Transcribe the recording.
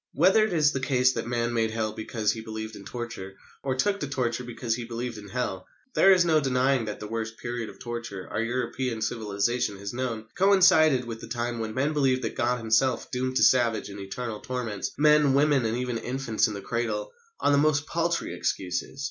Whether it is the case that man made Hell because he believed in torture, or took to torture because he believed in Hell, there is no denying that the worst period of torture our European civilisation has known coincided with the time when men believed that God Himself doomed to savage and eternal torments men, women, and even infants in the cradle, on the most paltry excuses.